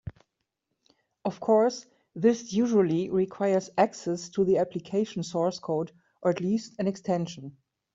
Of course, this usually requires access to the application source code (or at least an extension).